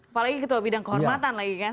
apalagi ketua bidang kehormatan lagi kan